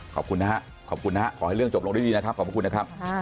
ขอบคุณนะครับขอให้เรื่องจบลงได้ดีนะครับขอบคุณนะครับ